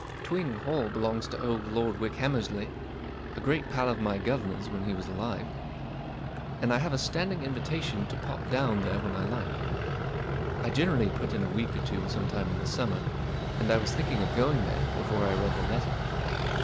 Twing Hall belongs to old Lord Wickhammersiey, a great pal of my guv'nor's when he was alive, and I have a standing invitation to pop dow n there when I like. I generally put in a week or two some time in the summer, and I was thinking of going there before I read the letter.